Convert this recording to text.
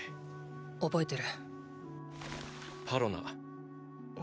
覚えてる。